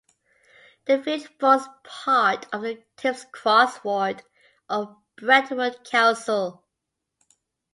The village forms part of the 'Tipps Cross' ward of Brentwood Council.